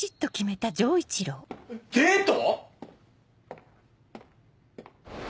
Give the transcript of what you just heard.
デート